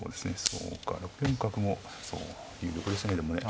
そうか６四角も有力ですねでもね。